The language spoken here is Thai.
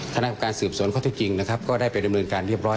คณะกรรมการสืบสวนข้อที่จริงนะครับก็ได้ไปดำเนินการเรียบร้อย